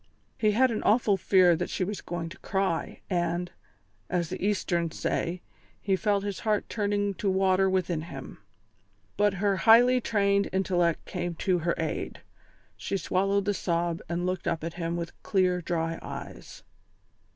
He had an awful fear that she was going to cry, and, as the Easterns say, he felt his heart turning to water within him. But her highly trained intellect came to her aid. She swallowed the sob, and looked up at him with clear, dry eyes.